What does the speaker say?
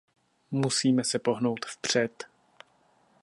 Musíme se pohnout vpřed.